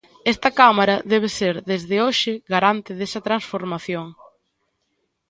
Esta cámara debe ser desde hoxe garante desa transformación.